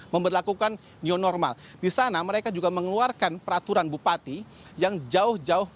memperlakukan new normal di sana mereka juga mengeluarkan peraturan bupati yang jauh jauh